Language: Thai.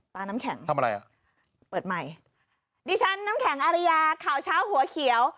น้ำแข็งทำอะไรอ่ะเปิดใหม่ดิฉันน้ำแข็งอาริยาข่าวเช้าหัวเขียว